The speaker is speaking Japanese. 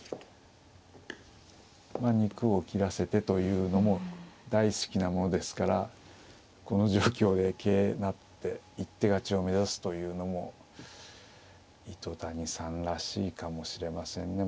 まあ肉を斬らせてというのも大好きなものですからこの状況で桂成って一手勝ちを目指すというのも糸谷さんらしいかもしれませんね。